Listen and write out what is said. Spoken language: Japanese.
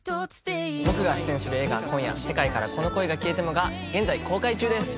僕が出演する映画『今夜、世界からこの恋が消えても』が現在公開中です。